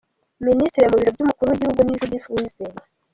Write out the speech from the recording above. Ministre mu biro by’umukuru w’igihugu ni Judith Uwizeye